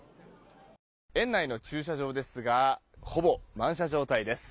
園内の駐車場ですがほぼ満車状態です。